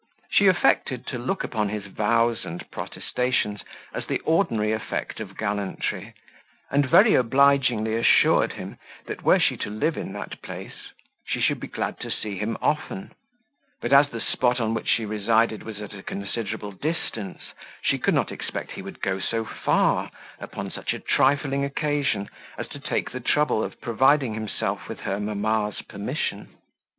She affected to look upon his vows and protestations as the ordinary effect of gallantry, and very obligingly assured him that were she to live in that place she should be glad to see him often; but as the spot on which she resided was at a considerable distance, she could not expect he would go so far, upon such a trifling occasion, as to take the trouble of providing himself with her mamma's permission.